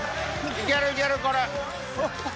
いけるいけるこれ。